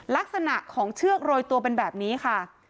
ลักษณะของเชือกโรยตัวเป็นแบบนี้ค่ะ